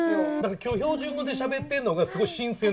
今日標準語でしゃべってんのがすごい新鮮な。